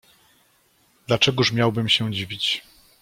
"Dlaczegóż miałbym się dziwić?"